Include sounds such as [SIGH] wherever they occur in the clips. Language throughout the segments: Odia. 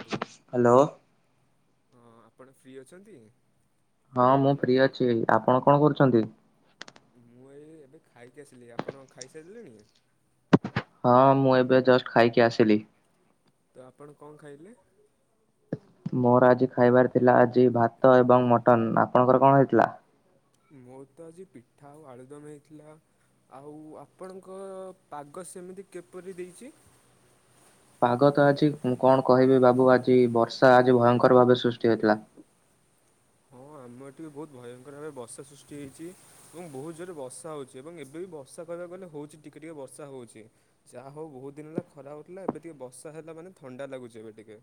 ଆଉ ହାଲୋ। ହଁ ଆପଣ ଫ୍ରି ଅଛନ୍ତି? ହଁ ମୁଁ ଫ୍ରି ଅଛି। ଆପଣ କଣ କରୁଚନ୍ତି? ମୁଁ ଏଇ ଏବେ ଖାଇକି ଆସିଲି ଆପଣ ଖାଇସାରିଲେଣି? ହଁ ମୁଁ ଏବେ ଜଷ୍ଟ ଖାଇକି ଆସିଲି। ତ ଆପଣ କଣ ଖାଇଲେ? ମୋର ଆଜି ଖାଇବାର ଥିଲା ଆଜି ଭାତ ଏବଂ ମଟନ୍ ଆପଣଙ୍କର କଣ ହେଇଥିଲା? ମୋର ତ ଆଜି ପିଠା ଆଉ ଆଳୁଦମ୍ ହେଇଥିଲା। ଆଉ ଆପଣଙ୍କ ପାଗ ସେମିତି କେପରି ଦେଇଚି? ପାଗ ତ ଆଜି କଣ କହିବି ବାବୁ ଆଜି ବର୍ଷା ଆଜି ଭୟଙ୍କର ଭାବେ ସୃଷ୍ଟି ହୋଇଥିଲା। ହଁ ଆମ ଏଠିବି ବୋହୁତ ଭୟଙ୍କର ଭାବେ ବର୍ଷା ସୃଷ୍ଟି ହେଇଚି ଏବଂ ବୋହୁତ ଜୋରେ ବର୍ଷା ହୋଉଚି ଏବଂ ଏବେ ବି ବର୍ଷା କହିବାକୁ ଗଲେ ହଉଚି ଟିକେ ଟିକେ ବର୍ଷା ହଉଛି। ଯାହାହଉ ବହୁତୁ ଦିନ ହେଲା ଖରାପ ହଉଥିଲା। ଏବେ ଟିକେ ବର୍ଷା ହେଲା ମାନେ ଥଣ୍ଡା ଲାଗୁଛି ଏବେ ଟିକେ।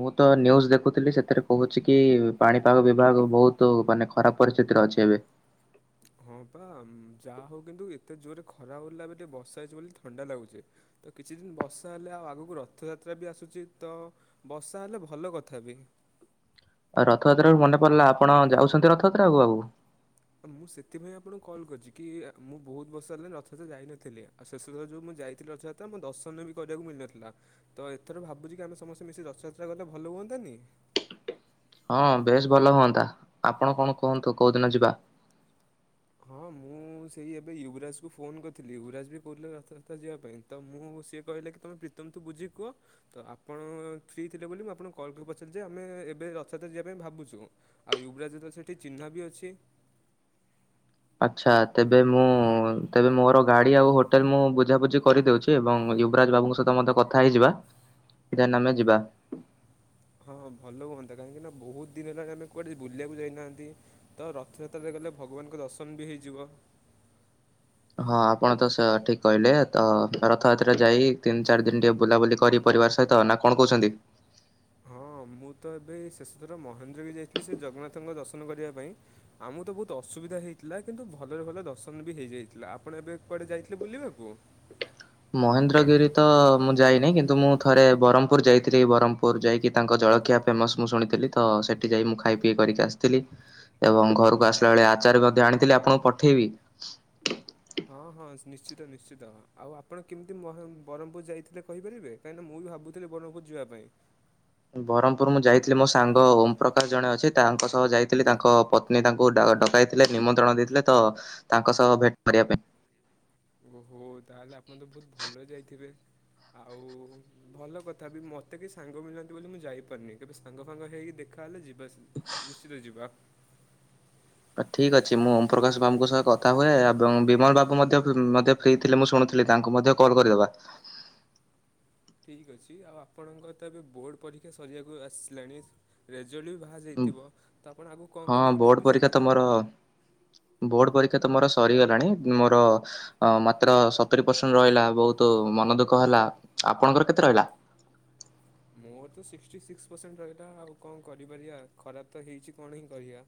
ମୁଁ ତ ନ୍ୟୁଜ ଦେଖୁଥିଲି ସେଥିରେ କହୁଛି କି ପାଣିପାଗ ବିଭାଗ ବହୁତୁ ମାନେ ଖ ଖରାପ ପରିସ୍ଥିତିରେ ଅଛି ଏବେ। ହଁ ପା ଯାହା ହଉ କିନ୍ତୁ ଏତେ ଜୋରରେ ଖରା ହଉଥିଲା ଏବେ ଟିକେ ବର୍ଷା ହେଇଛି ବୋଲି ଥଣ୍ଡା ଲାଗୁଛି। ତ କିଛି ଦିନି ବର୍ଷା ହେଲେ ଆଉ ଆଗକୁ ରଥଯାତ୍ରା ବି ଆସୁଚି ତ ବର୍ଷା ହେଲେ ଭଲ କଥା ବି। ଆଉ ରଥଯାତ୍ରା ରୁ ମନେ ପଡିଲା ଆପଣ ଯାଉଛନ୍ତି ରଥଯାତ୍ରା କୁ ଆଉ? ମୁଁ ସେଥିପାଇଁ ଆପଣଙ୍କୁ କଲ୍ କରିଛି କି ମୁଁ ବହୁତୁ ବର୍ଷ ହେଲାଣି ରଥଯାତ୍ରା ଯାଇନଥିଲି। ଆଉ ଶେଷ ଯେଉଁ ମୁଁ ଯାଇଥିଲି ରଥଯାତ୍ରା ମୋ ଦର୍ଶନ ବି କରିବାକୁ ମିଳିନଥିଲା। ତ ଏଥର ଭାବୁଚି କି ଆମେ ସମସ୍ତେ ମିଶି ରଥଯାତ୍ରା କଲେ ଭଲ ହୁଅନ୍ତାନି? ହଁ ବେଶ ଭଲ ହୁଅନ୍ତା ଆପଣ କଣ କୁହନ୍ତୁ କୋଉ ଦିନ ଯିବା? ହଁ ମୁଁ ସେଇ ଏବେ ୟୁବରାଜକୁ ଫୋନ୍ କରିଥିଲି ୟୁବରାଜ ବି କହୁଥିଲା ରାଥଯାତ୍ରା ଯିବା ପାଇଁ। ତ ମୁଁ ସିଏ କହିଲା କି ତୁମେ ପ୍ରୀତମ ଠୁ ବୁଝିକି କୁଅ। ତ ଆପଣ ଫ୍ରି ଥିଲେ ବୋଲି ମୁଁ ଆପଣଙ୍କୁ କଲ୍ କରିପଚାରିଲି ଯେ ଆମେ ଏବେ ରଥଯାତ୍ରା ଯିବା ପାଇଁ ଭାବୁଚୁ। ଆଉ ୟୁବରାଜ ତ ସେଠି ଚିହ୍ନା ବି ଅଛି। ଆଚ୍ଛା ତେବେ ମୁଁ ତେବେ ମୋର ଗାଡ଼ି ଆଉ ହୋଟେଲ ମୁଁ ବୁଝାବୁଝି କରିଦେଉଛି। ଏବଂ ୟୁବରାଜ ବାବୁଙ୍କ ସହିତ ମଧ୍ୟ କଥା ହେଇଯିବା। ଦେନେ ଆମେ ଯିବା। ହଁ ଭଲ ହୁଅନ୍ତା କାହିଁକି ନା ବହୁତୁ ଦିନି ହେଲାଣି ଆମେ କୁଆଡ଼େ ବୁଲିବାକୁ ଯାଇନାହାନ୍ତି। ତ ରଥଯାତ୍ରାରେ ଗଲେ ଭଗବାନଙ୍କ ଦର୍ଶନ ବି ହେଇଯିବ। ହଁ ଆପଣ ତ ଠିକି କହିଲେ ତ ରଥଯାତ୍ରା ଯାଇ ତିନି ଚାରି ଦିନ ଟିକେ ବୁଲାବୁଲି କରି ପରିବାର ସହିତ ନା କଣ କହୁଛନ୍ତି? ହଁ ମୁଁ ତ ଏବେ ଶେଷଥର ମହେନ୍ଦ୍ରଵି ଯାଇଥିଲି ସେ ଜଗନ୍ନାଥଙ୍କ ଦର୍ଶନ କରିବା ପାଇଁ। ଆମକୁ ତ ବହୁତୁ ଅସୁବିଧା ହେଇଥିଲା କିନ୍ତୁ ଭଲରେ ଭଲରେ ଦର୍ଶନ ବି ହେଇଯାଇଥିଲା ଆପଣ ଏବେ କୁଆଡ଼େ ଯାଇଥିଲେ ବୁଲିବାକୁ? ମହେନ୍ଦ୍ରଗିରି ତ ମୁଁ ଯାଇନି କିନ୍ତୁ ମୁଁ ଥରେ ବ୍ରହ୍ମପୁର ଯାଇଥିଲି ବ୍ରହ୍ମପୁର ଯାଇକି ତାଙ୍କ ଜଳଖିଆ ଫେମସ ମୁଁ ଶୁଣିଥିଲି ତ ସେଠି ଯାଇ ମୁଁ ଖାଇ ଇଏ କରିକି ଆସିଥିଲି ଏବଂ ଘରକୁ ଆସିଲା ବେଳେ ଆଚାର ମଧ୍ୟ ଆଣିଥିଲି ଆପଣଙ୍କୁ ପଠେଇବି? ହଁ ହଁ ନିଶ୍ଚିତ ନିଶ୍ଚିତ ଆଉ ଆପଣ କେମିତି ମହେ ବ୍ରହ୍ମପୁର ଯାଇଥିଲେ କହିପାରିବେ? କାହିଁକିନା ମୁଁ ବି ଭାବଥିଲି ବରମପୁର ଯିବା ପାଇଁ। ବରମପୁର ମୁଁ ଯାଇଥିଲି ମୋ ସାଙ୍ଗ ଓମପ୍ରକାଶ ଜଣେ ଅଛି ତାଙ୍କ ସହ ଯାଇଥିଲି ତାଙ୍କ ପତ୍ନୀ ତାଙ୍କୁ ଡ଼ ଡକାଇଥିଲେ ନିମନ୍ତ୍ରଣ ଦେଇଥିଲେ ତ ତାଙ୍କ ସହ ଭେଟ କରିବା ପାଇଁ। ଓହୋ ତାହେଲେ ଆପଣ ତ ବହୁତୁ ଭଲ ଯାଇଥିବେ ଆଉ ଭଲ କଥା ବି ମତେ ବି ସାଙ୍ଗ ମିଳୁନାହାଁନ୍ତି ବୋଲି ମୁଁ ଯାଇପାରୁନି କେବେ ସାଙ୍ଗ ଫାଙ୍ଗ ହେଇକି ଦେଖାହେଲେ ଯି ବାସ୍ ନିଶ୍ଚିତ ଯିବା। ଠିକି ଅଛି ମୁଁ ଓମ୍ ପ୍ରକାଶ ବାବୁଙ୍କ ସହ କଥା ହୁଏ ଏବଂ ବିମଳ ବାବୁ ମଧ୍ୟ ମଧ୍ୟ ଫିଇ ମୁଁ ଶୁଣୁଥିଲି ତାଙ୍କୁ ମଧ୍ୟ କଲ୍ କରିଦବା। ଠିକ୍ ଅଛି ଆଉ ଆପଣଙ୍କର ତ ଏବେ ବୋର୍ଡ଼ ପରୀକ୍ଷା ସରିବାକୁ ଆସିଲାଣି ରେଜଲ୍ଟ ବି ବାହା [UNINTELLIGIBLE] ଉଁ, ଯାଇଥିବ ତ ଆପଣ ଆଗକୁ କଣ ହଁ କରିବେ ବୋଲି ବୋର୍ଡ ପରୀକ୍ଷା ତ ଭାବିଚନ୍ତି? ମୋର ବୋର୍ଡ ପରୀକ୍ଷା ତ ମୋର ସରିଗଲାଣି ମୋର ମାତ୍ର ସ ସତୁରି ପରସେଣ୍ଟ ରହିଲା ବହୁତୁ ମନ ଦୁଃଖ ହେଲା। ଆପଣଙ୍କର କେତେ ରହିଲା? ମୋର ତ ସିକ୍ସଟି ସିକ୍ସ ପରସେଣ୍ଟ ରହିଲା। ଆଉ କଣ କରିପାରିବା। ଖରାପ ତ ହେଇଚି କଣ ହିଁ କରିପାରିବା।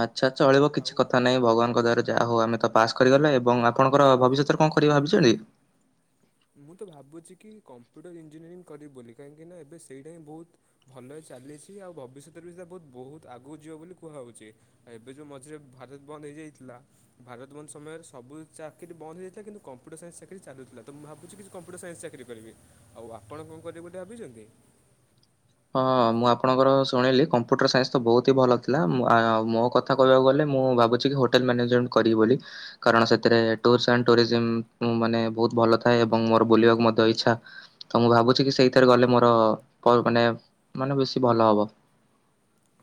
ଆଚ୍ଛା ଚଳିବ ଆଉ କିଛି କଥା ନାଇଁ ଭଗବାନଙ୍କ ଦ୍ୱାରା ଯା ହଉ ଆମେ ତା ପାସ୍ କରିଗଲେ ଏବଂ ଆପଣଙ୍କର ଭବିଷ୍ୟତରେ କଣ କରିବେ ବୋଲି ଭାବିଚନ୍ତି? ମୁଁ ତ ଭାବୁଚି କି କମ୍ପ୍ୟୁଟର ଇଞ୍ଜିନିୟରିଂ କରିବି ବୋଲି। କାହିଁକିନା ଏବେ ସେଇଟା ହିଁ ବହୁତୁ ଭଲ ଚାଲିଛି ଆଉ ଭବିଷ୍ୟତରେ ବି ସେଟା ହୁତ ବହୁତ ଆଗକୁ ଯିବ ବୋଲି କୁହାହଉଛି। ଆଉ ଏବେ ଯୋଉ ମଝିରେ ଭାରତ ବନ୍ଦ ହେଇଯାଇଥିଲା। ଭାରତବନ୍ଦ ସମୟରେ ସବୁ ଚାକିରି ବନ୍ଦ ହେଇଥିଲା କିନ୍ତୁ କମ୍ପ୍ୟୁଟର ସାଇନ୍ସ ଚାକିରି ଚାଲୁଥିଲା। ତ ମୁଁ ଭାବୁଛି କିଛି କମ୍ପ୍ୟୁଟର ସାଇନ୍ସ ଚାକିରି କରିବି ଆଉ ଆପଣ କଣ କରିବେ ଗୋଟେ ଭାବିଛନ୍ତି? ହଁ ମୁଁ ଆପଣଙ୍କର ଶୁଣିଲି କମ୍ପ୍ୟୁଟର ସାଇନ୍ସ ତ ବହୁତ ହିଁ ଭଲ ଥିଲା ମ ଆ ମୋ କ ଥା କହିବାକୁ ଗଲେ ମୁଁ ଭାବୁଛି କି ହୋଟେଲ ମ୍ୟାନେଜମେଣ୍ଟ କରିବି ବୋଲି? କାରଣ ସେଥିରେ ତୁର୍ସ ଆଣ୍ଡ ଟର୍ଜୀମ ମାନେ ବହୁତ ଭଲ ଥାଏ ଏବଂ ମୋର ବୁଲିବାକୁ ମଧ୍ୟ ଇଛା। ତ ମୁଁ ଭାବୁଛି କି ସେଇଥିରେ ଗଲେ ମୋର କଲ୍ ମାନେ ମାନେ ବେଶୀ ଭଲ ହବ।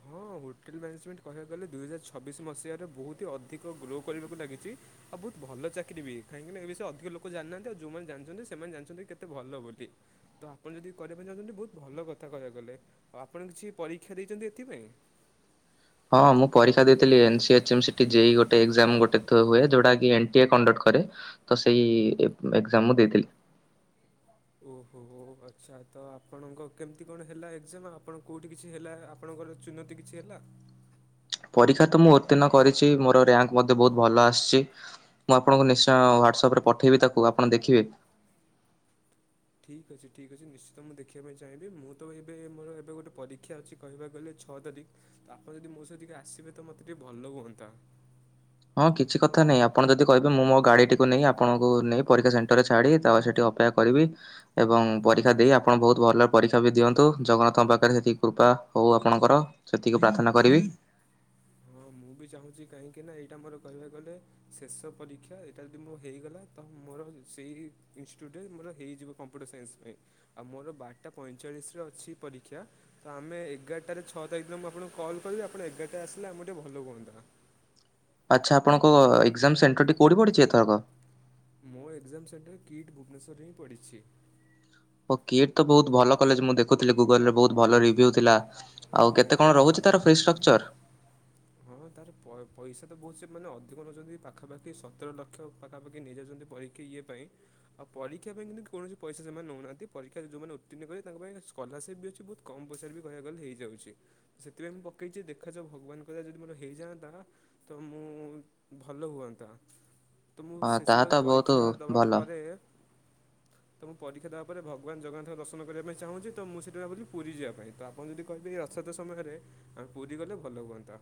ହଁ ହୋଟେଲ୍ ମ୍ୟାନେଜମେଣ୍ଟ କହିବାକୁ ଗଲେ ଦୁଇହଜାର ଛବିଶ ମସିହାରେ ବହୁତ ହି ଅଧିକ ଗ୍ରୋ କରିବାକୁ ଲାଗିଛି। ଆଉ ବହୁତ ଭଲ ଚାକିରି ବି ହୋଇଥାଏ କାହିଁକିନା ଏ ବିଷୟ ଅଧିକ ଲୋକ ଜାଣିନାହାନ୍ତି ଆଉ ଯୋଉମାନେ ଜାଣିଛନ୍ତି ସେମାନେ ଜାଣିଛନ୍ତି କେତେ ଭଲ ବୋଲି। ତ ଆପଣ ଯଦି କରିବା ପାଇଁ ଚାହୁଁଛନ୍ତି ବହୁତ ଭଲ କଥା କହିବାକୁ ଗଲେ ଆଉ ଆପଣ କିଛି ପରୀକ୍ଷା ଦେଇଛନ୍ତି ଏଥିପାଇଁ? ହଁ ମୁଁ ପରୀକ୍ଷା ଦେଇଥିଲି ଏନ୍ସି ଏଚଏମ୍ ସିଟି ଜେଇ ଗୋଟେ ଏକ୍ଜାମ ଗୋଟେ ଥୋ ହୁଏ ଯଉଟାକି [UNINTELLIGIBLE] କରେ। ତ ସେଇ ଏ ଏକ୍ଜାମ ମୁଁ ଦେଇଥିଲି। ଓହୋ ଆଚ୍ଛା ତ ଆପଣଙ୍କ କେମିତି କଣ ହେଲା ଏକ୍ଜାମ୍ ଆପଣ କୋଉଠି କିଛି ହେଲା? ଆପଣଙ୍କର ଚୁହ୍ନତି କିଛି ହେଲା? ପରୀକ୍ଷା ରେ ତ ମୁଁ ଉତ୍ତୀର୍ଣ୍ଣ କରିଛି ମୋର ର୍ୟାଙ୍କ ମଧ୍ୟ ବହୁତ ଭଲ ଆସିଛି। ମୁଁ ଆପଣଙ୍କୁ ନିଶ୍ଚୟ ହ୍ୱାଟ୍ସଆପରେ ପଠାଇବି ତାକୁ ଆପଣ ଦେଖିବେ। ଠିକ୍ ଅଛି ଠିକ୍ ଅଛି ନିଶ୍ଚିତ ମୁଁ ଦେଖିବା ପାଇଁ ଚାହିଁବି ମୁଁ ତ ଏବେ ମୋ ଏବେ ଗୋଟେ ପରୀକ୍ଷା ଅଛି କହିବାକୁ ଗଲେ ଛଅ ତାରିଖ ତ ଆପଣ ଯଦି ମୋ ସହିତ ଟିକେ ଆସିବେ ତ ମୋତେ ଟିକେ ଭଲ ହୁଅନ୍ତା। ହଁ କିଛି କଥା ନାହିଁ ଆପଣ ଯଦି କହିବେ ମୁଁ ମୋ ଗାଡ଼ି ଟିକୁ ନେଇ ଆପଣଙ୍କୁ ନେଇ ପରୀକ୍ଷା ସେଣ୍ଟର ରେ ଛାଡ଼ି ତା ସେଠି ଅପେକ୍ଷା କରିବି ଏବଂ ପରୀକ୍ଷା ଦେଇ ଆପଣ ବହୁତ ଭଲ ପରୀକ୍ଷା ବି ଦିଅନ୍ତୁ ଜଗନ୍ନାଥଙ୍କ ପାଖରେ ସେତିକି କୃପା ହଉ ଆପଣଙ୍କର ସେତିକି ପ୍ରାର୍ଥନା କରିବି। ହଁ ମୁଁ ବି ଚାହୁଁଛି କାହିଁକି ନା ଏଇଟା ମୋର କହିବାକୁ ଗଲେ ଶେଷ ପରୀକ୍ଷା ଏଇଟା ଯଦି ମୋ ହେଇଗଲା ତ ମୋର ସେଇ ଇନଷ୍ଟିଟ୍ୟୁଟରେ ମୋର ହେଇଯିବ କମ୍ପ୍ୟୁଟର ସାଇନ୍ସ ପାଇଁ। ଆଉ ମୋର ବାରଟା ପଇଁଚାଳିଶରେ ଅଛି ପରୀକ୍ଷା। ତ ଆମେ ଏଗାରଟାରେ ଛଅ ତାରିଖ ଦିନ ମୁଁ ଆପଣଙ୍କୁ କଲ୍ କରିବି ଆପଣ ଏଗାରଟାରେ ଆସିଲେ ଆମକୁ ଟିକେ ଭଲ ହୁଅନ୍ତା। ଆଚ୍ଛା ଆପଣଙ୍କ ଏକ୍ଜାମ ସେଣ୍ଟର ଟି କଉଠି ପଡ଼ିଛି ଏଥରକ? ମୋ ଏକ୍ଜାମ ସେଣ୍ଟର କିଟ୍ ଭୁବନେଶ୍ୱରରେ ହିଁ ପଡ଼ିଛି। ଓ କିଟ୍ ତ ବହୁତ ଭଲ କଲେଜ ମୁଁ ଦେଖୁଥିଲି ଗୁଗଲ ରେ ବହୁତ ଭଲ ରିଭ୍ୟୁ ଥିଲା ଆଉ କେ ତେ କଣ ହଁ ରହୁଛି ତାର ଫ୍ରୀଷ୍ଟ୍ରକଚର? ହଁ ତାର ପ୍ର ପଇସା ତ ବହୁତ ସେ ମାନେ ଅଧିକ ନଉଛନ୍ତି ପାଖାପାଖି ସତର ଲକ୍ଷ ପାଖାପାଖି ନେଇଯାଉଛନ୍ତି ପରୀ ଇଏ ପାଇଁ ଆଉ ପରୀକ୍ଷା ପାଇଁ କିନ୍ତୁ କୌଣସି ପଇସା ସେମାନେ ନଉନାହାନ୍ତି ପରୀକ୍ଷାରେ ଯୋଉମାନେ ଉତ୍ତୀଣ୍ଣହୁଏ ତାଙ୍କ ପାଇଁ ସ୍କଲାରସିପ୍ ବି ଅଛି ବହୁତ କମ୍ ପଇସାରେ ବି କହିଆକୁ ଗଲେ ହେଇଯାଉଛି ତ ସେଥିପାଇଁ ମୁଁ ପକେଇଛିି ଦେଖାଯାଉ ଭଗବାନ କ ଯଦି ମୋର ହେଇଯାଆନ୍ତା ତ ମୁଁ ଭଲ ହୁଅନ୍ତା। ତ ମୁଁ ହଁ ଶେଷ ତାହା ତ ଯାଏ ବହୁତ ପରୀକ୍ଷା ଦବା ଭଲ। ପରେ ତ ମୁଁ ପରୀକ୍ଷା ଦେବା ପରେ ଭଗବାନ ଜଗନ୍ନାଥଙ୍କ ଦର୍ଶନ କରିବା ପାଇଁ ଚାହୁଁଛି ତ ମୁଁ ସେଥି ପାଇଁ ଭାବୁଚି ପୁରୀ ଯିବା ପାଇଁଁ ତା [UNINTELLIGIBLE] ଆ ପୁରୀ ଗଲେ ଭଲ ହୁଅନ୍ତା।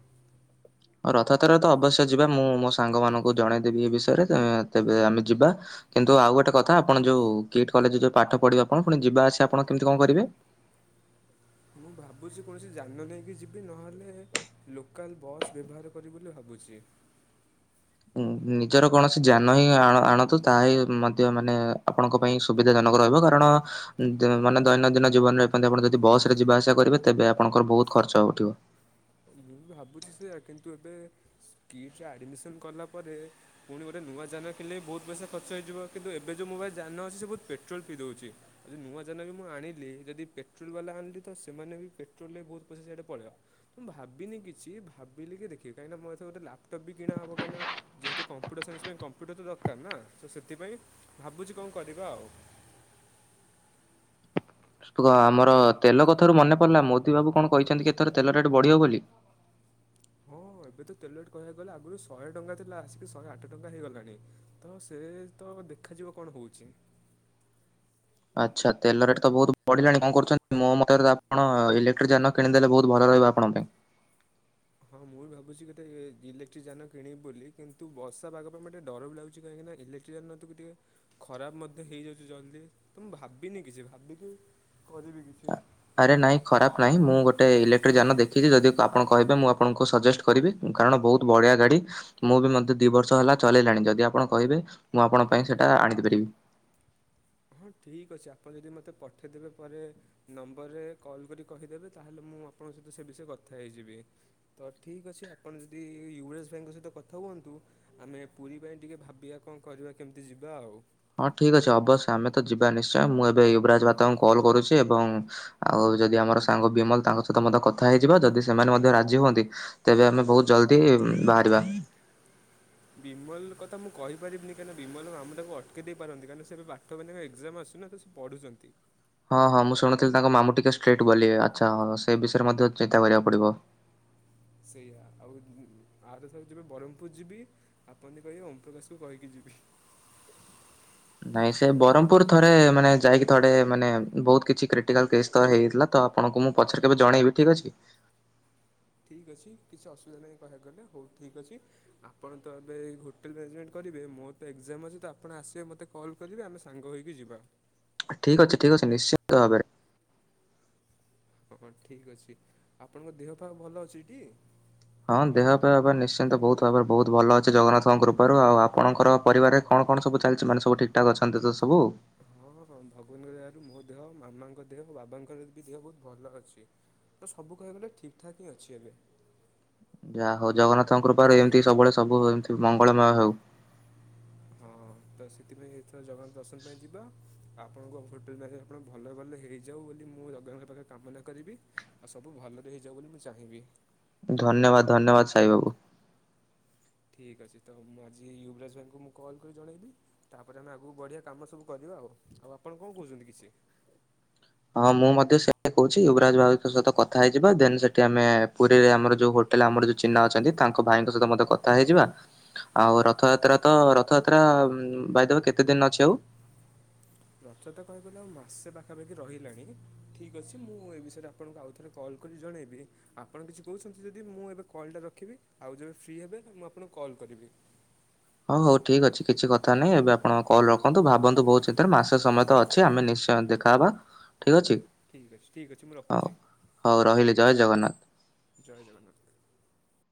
ରଥଯାତ୍ରା ରେ ତ ଅବଶ୍ୟ ଯିବା ମୁଁ ମୋ ସାଙ୍ଗ ମାନଙ୍କୁ ଜଣେଇଦେବି ଏ ବିଷୟରେ ଏ ତେବେ ଆମେ ଯିବା। କିନ୍ତୁ ଆଉ ଗୋଟେ କଥା ଆପଣ ଯୋଉ କିଟ୍ କଲେଜରେ ଯୋଉ ପାଠ ପଢ଼ିବେ ଆପଣ ପୁଣି ଯିବା ଆସିଆ ଆପଣ କେମିତି କଣ କରିବେ? ମୁଁ ଭାବୁଛି କୌଣସି ଯାନ ନେଇକି ଯିବି ନହେଲେ ଲୋକାଲ୍ ବସ୍ ବେବହାର କରିବି ବୋଲି ଭାବୁଛି? ନିଜର କୌଣସି ଯାନ ହିଁ ଆଣ ଆଣନ୍ତୁ ତାହା ହିଁ ମଧ୍ୟ ମାନେ ଆପଣଙ୍କ ପାଇଁ ସୁବିଧା ଜନକ ରହିବ କାରଣ ଦ ମାନେ ଦୈନନ୍ଦିନ ଜୀବନରେ [UNINTELLIGIBLE] ଆପଣ ଯଦି ବସ୍ ରେ ଯିବା ଆସିବା କରିବେ ତେବେ ଆପଣଙ୍କର ବହୁତ ଖର୍ଚ୍ଚ ଉଠିବ। ମୁଁ ବି ଭାବୁଛି ସେଆ କିନ୍ତୁ ଏବେ ସ୍କିଟରେ ଆଡ଼ମିସନ୍ କଲା ପରେ ପୁଣି ଗୋଟେ ନୂଆ ଯାନ କିଣିଲେ ବହୁତ ପଇସା ଖର୍ଚ୍ଚ ହେଇଯିବ କିନ୍ତୁ ଏବେ ଯୋଉ ମୋ ପାଖେ ଯାନ ଅଛି ସେ ବହୁତ ପେଟ୍ରୋଲ ପିଇ ଦଉଛି। ଯଦି ନୂଆ ଯାନ ବି ମୁଁ ଆଣିଲି ଯଦି ପେଟ୍ରୋଲ ବାଲା ଆଣିଲି ତ ସେମାନେ ବି ପେଟ୍ରୋଲରେ ବହୁତ ପଇସା ସେଇଡେ ପଳେଇିବ। ମୁଁ ଭାବିନି କିଛି ଭାବିଲି କି ଦେଖିବି କାହିଁକିନା ମୋର ଏଥରକ ଗୋଟେ ଲ୍ୟାପଟପ୍ ବି କିଣା ହବ କାହିଁକିନା ଯେହେତୁ କମ୍ପୁଟର ସାଇନ୍ସ ପାଇଁ କମ୍ପ୍ୟୁଟର ତ ଦରକାର ନା ତ ସେଥିପାଇଁ ଭାବୁଛି କଣ କରିବା ଆଉ। ତୁ କ ଆମର ତେଲ କଥାରୁ ମନେ ପଡିଲା ମୋଦି ବାବୁ କଣ କହିଛନ୍ତି କି ଏଥର ତେଲ ରେଟ୍ ବଢିବ ବୋଲି? ହଁ ଏବେ ତ ତେଲ ରେଟ୍ କହିବାକୁ ଗଲେ ଆଗରୁ ଶହେ ଟଙ୍କା ଥିଲା ଆସିକି ଶହେ ଆଠ ଟଙ୍କା ହେଇଗଲାଣି। ତ ସେ ତ ଦେଖାଯିବ କଣ କହୁଚି ଆଚ୍ଛା ତେଲ ରେଟ୍ ତ ବହୁତ ବଢିଲାଣି କଣ କରୁଛନ୍ତି? ମୋ ମତରେ ତ ଆପଣ ଇଲେକ୍ଟ୍ରିକ ଯାନ କିଣିଦେଲେ ବହୁତ ଭଲ ରହିବ ଆପଣ ପାଇଁ। ହଁ ମୁଁ ବି ଭାବୁଛି ଗୋଟେ ଇଲେକ୍ଟ୍ରି ଯାନ କିଣିବି ବୋଲି କିନ୍ତୁ ବଷା ପାଗ ପାଇଁ ମୋତେ ଟିକେ ଡର ବି ଲାଗୁଛି କାହିଁକିନା ଇଲେ ତକୁ ଟିକେ ଖରାପ ମଧ୍ୟ ହେଇଯାଉଛି ଜଲ୍ଦି ତ ମୁଁ ଭାବିନି କିଛି ଭାବିକି କରିବି କି ଆରେ ନାଇଁ ଖରାପ ନାହିଁ ମୁଁ ଗୋଟେ ଇଲେକ୍ଟ୍ରିକ ଯାନ ଦେଖିଛି ଯଦି ଆପଣ କହିବେ ମୁଁ ଆପଣଙ୍କୁ ସଜେଷ୍ଟ କରିବି କାରଣ ବହୁତ ବଢିଆ ଗାଡି ମୁଁ ବି ମଧ୍ୟ ଦି ବର୍ଷ ହେଲା ଚଲେଇଲାଣି ଯଦି ଆପଣ କହିବେ ମୁଁ ଆପଣଙ୍କ ପାଇଁ ସେଇଟା ଆଣି ପାରିବି। ହଁ ଠିକ୍ ଅଛି ଆପଣ ଯଦି ମୋତେ ପଠେଇଦେବେ ପରେ ନମ୍ବରରେ କଲ୍ କରି କହିଦେବେ ତାହେଲେ ମୁଁ ଆପଣଙ୍କ ସହିତ ସେ ବିଷୟରେ କଥା ହେଇଯିବି। ତ ଠିକ୍ ଅଛି ଆପଣ ଯଦି ୟୁସ୍ ଭାଇଙ୍କ ସହିତ କଥା ହୁଅନ୍ତୁ। ଆମେ ପୁରୀ ପାଇଁ ଟିକେ ଭାବିବା କଣ କରିବା କେମିତି ଯିବା ଆଉ। ହଁ ଠିକ୍ ଅଛି ଅବଶ୍ୟ ଆମେ ତ ଯିବା ନିଶ୍ଚୟ ମୁଁ ଏବେ ୟୁବରାଜ ଭ୍ରାତାଙ୍କୁ କଲ୍ କରୁଛି ଏବଂ ଆଉ ଯଦି ଆମର ସାଙ୍ଗ ବିମଲ ତାଙ୍କ ସହିତ ମଧ୍ୟ କଥା ହେଇଯିବା ଯଦି ସେମାନେ ମଧ୍ୟ ରାଜି ହୁଅନ୍ତି ତେବେ ଆମେ ବହୁତ ଜଲଦି ବାହାରିବା। ବିମଲ କଥା ମୁଁ କହିପାରିବିନି କାହିଁ ବିମଲତ ମାମୁ ତାକୁ ଅଟକ ଦେଇ ପାରନ୍ତି କାରଣ ସେଏବେ ବାଟ ମାନଙ୍କ ଏକଜାମ ଆସୁଚିନା ତ ପଢୁଛନ୍ତି। ହଁ ହଁ ମୁଁ ଶୁଣୁଥିଲି ତାଙ୍କ ମାମୁଁ ଟିକେ ଷ୍ଟ୍ରିକ୍ଟ ବୋଲି ଆଚ୍ଛା ହଁ ସେ ବିଷୟରେ ମଧ୍ୟ ଚିନ୍ତା କରିବାକୁ ପଡିବ। ସେଇଆ ଆଉ ଆ ତ ର ଯିବେ ବ୍ରହ୍ମପୁର ଯିବି ଆପଣ ଯଦି କହିବେ ଓମ ପ୍ରକାଶ କୁ କହିକି ଯିବି। ନାଇଁ ସେ ବ୍ରହ୍ମପୁର ଥରେ ମାନେ ଯାଇକି ଥରେ ମାନେ ବହୁତ କିଛି କ୍ରିଟିକାଲ କେସ୍ ତ ହେଇଥିଲା। ତ ଆପଣଙ୍କୁ ମୁଁ ପଛରେ କେବେ ଜଣେଇବି ଠିକ୍ ଅଛି। ଠିକ୍ ଅଛି କିଛି ଅସୁବିଧା ନାହିଁ କହିବାକୁ ଗଲେ ହଉ ଠିକ୍ ଅଛି। ଆପଣ ତ ଏବେ ହୋଟେଲ୍ ମ୍ୟାନେଜମେଣ୍ଟ କରିବେ ମୋର ତ ଏକଜାମ ଅଛି ତ ଆପଣ ଆସିବେ ମୋତେ କଲ୍ କରିବେ ଆମେ ସାଙ୍ଗ ହୋଇକି ଯିବା। ଠିକ୍ ଅଛି ଠିକ୍ ଅଛି ନିଶ୍ଚିିତ ଭାବରେ। ହଁ ହଁ ଠିକ୍ ଅଛି ଆପଣଙ୍କ ଦେହ ପାଗ ଭଲ ଅଛି ଟି? ହଁ ଦେହ ଫେହ ନିଶ୍ଚିନ୍ତ ବହୁତ ଭାବରେ ବହୁତ ଭଲ ଅଛି ଜଗନ୍ନାଥଙ୍କ କୃପାରୁ। ଆଉ ଆପଣଙ୍କର ପରିବାରେ କଣ କଣ ସବୁ ଚାଲିଛି ମାନେ ସବୁ ଠିକଠକ୍ ଅଛନ୍ତି ତ ସବୁ? ହଁ ହଁ ଭଗବାନଙ୍କ ଦୟାରୁ ମୋ ଦେହ, ମାମାଙ୍କ ଦେହ, ବାବାଙ୍କର ବି ଦେହ ବହୁତ ଭଲ ଅଛି। ତ ସବୁ କହିବାକୁ ଗଲେ ଠିକ୍ ଠାକ୍ ହିଁ ଅଛି ଏବେ। ଯାହା ହଉ ଜଗନ୍ନାଥଙ୍କ କୃପାରୁ ଏମିତି ସବୁବେଳେ ସବୁ ଏମତି ମଙ୍ଗଳମୟ ହଉ। ହଁ ତ ସେଥିପାଇଁ ଏଥର ଜଗନ୍ନାଥ ଦର୍ଶନ ପାଇଁ ଯିବା। ଆଉ ଆପଣଙ୍କୁ ହୋଟେଲ ପାଖେ ଆପଣ ଭଲ ଭଲ ହେଇଯାଉ ବୋଲି ମୁଁ ଜଗନ୍ନାଥଙ୍କ ପାଖରେ କାମନା କରିବି। ଆଉ ସବୁ ଭଲରେ ହେଇଯାଉ ବୋଲି ମୁଁ ଚାହିଁବି। ଧନ୍ୟବାଦ ଧନ୍ୟବାଦ ସାଇ ବାବୁ। ଠିକ୍ ଅଛି ତ ମୁଁ ଆଜି ୟୁବରାଜ ଭାଇଙ୍କୁ ମୁଁ କଲ୍ କରି ଜଣେଇବି। ତାପରେ ଆମେ ଆଗକୁ ବଢିବା କାମ ସବୁ କରିବା ଆଉ। ଆଉ ଆପଣ କଣ କହୁଛନ୍ତି କିଛି? ହଁ ମୁଁ ମଧ୍ୟ ସେଇଆ କହୁଛି ଯୁବରାଜ ବାବୁଙ୍କ ସହିତ କଥା ହେଇଯିବା ଦେନ ସେଠି ଆମେ ପୁରୀରେ ଆମର ଯୋଉ ହୋ ଟେଲ ଆମର ଯୋଉ ଚିହ୍ନା ଅଛନ୍ତି ତାଙ୍କ ଭାଇଙ୍କ ସହିତ ମଧ୍ୟ କଥା ହେଇଯିବା। ଆଉ ରଥଯାତ୍ରା ତ, ରଥଯାତ୍ରା ବାଇଦୱେ କେତେ ଦିନ ଅଛି ଆଉ? ରଥଯାତ୍ରା ତ କହିବାକୁ ଗଲେ ମାସେ ପାଖାପାଖି ରହିଲାଣି। ଠିକ୍ ଅଛି ମୁଁ ଏ ବିଷୟରେ ଆପଣଙ୍କୁ ଆଉଥରେ କଲ୍ କରି ଜଣେଇବି ଆପଣ କିଛି କହୁଛନ୍ତି ଯଦି ମୁଁ ଏବେ କଲ ଟା ରଖିବି, ଆଉ ଯେବେ ଫ୍ରି ହେବେ ମୁଁ ଆପଣଙ୍କୁ କଲ୍ କରିବି? ହଉ ହଉ ଠିକ ଅଛି କିଛି କଥା ନାହିଁ ଏବେ ଆପଣଙ୍କ କଲ ରଖନ୍ତୁ ଭାବନ୍ତୁ ବହୁତ ଚିନ୍ତାରେ ମାସେ ସମୟ ତ ଅ ଛି ଆମେ ନିଶ୍ଚୟ ଦେଖାହବା ଠିକ ଅଛି। ଠିକ୍ ଅଛି, ଠିକ୍ ଅଛି ମୁଁ ହଉ ରଖୁଛି। ହଉ ରହିଲି ଜୟ ଜଗନ୍ନାଥ। ଜୟ ଜଗନ୍ନାଥ।